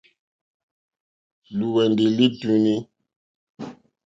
Lúwɛ̀ndì lítúnì.